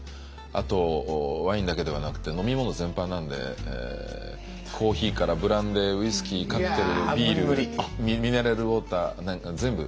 あとワインだけではなくて飲み物全般なんでコーヒーからブランデーウイスキーカクテルビールミネラルウォーター全部。